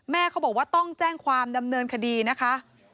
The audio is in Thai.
เขาบอกว่าต้องแจ้งความดำเนินคดีนะคะ